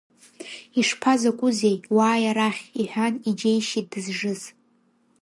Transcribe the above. Ишԥа закәызеи, уааи арахь, — иҳәан иџьеишьеит дызжыз.